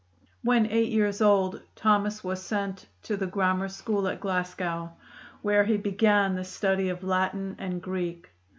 When eight years old Thomas was sent to the grammar school at Glasgow, where he began the study of Latin and Greek.